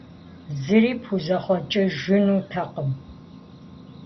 Зыри пхузэхъуэкӀыжынутэкъым.